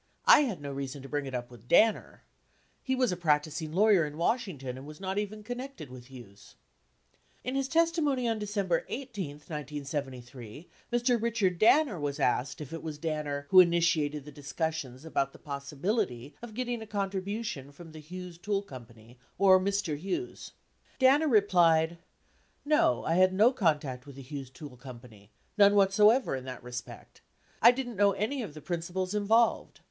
I had no reason to bring it up with Danner. He was a practicing lawyer in Washington and was not even connected with Hughes." 46 In his testimony on December 18, 1973, Mr. Richard Danner was asked if it was Danner "who initiated the discussions about the possibility of getting a contribution from the Hughes Tool Co. or Mr. Hughes." 47 Danner replied, "No. I had no contact with the Hughes Tool Co., none whatsoever in that respect. I didn't know any of the principals involved.